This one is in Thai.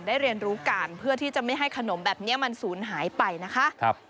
เรียนรู้การเพื่อที่จะไม่ให้ขนมแบบนี้มันสูญหายไปนะคะ